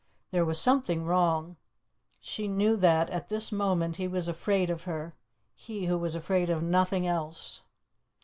There was something wrong. She knew that at this moment he was afraid of her, he who was afraid of nothing else.